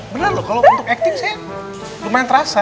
bener loh kalau untuk acting saya lumayan terasa